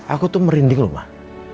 aku tuh merinding loh mah